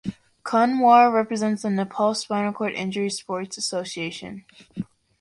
Kunwar represents the Nepal Spinal Cord Injury Sports Association.